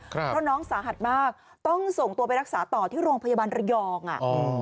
เพราะน้องสาหัสมากต้องส่งตัวไปรักษาต่อที่โรงพยาบาลระยองอ่ะอืม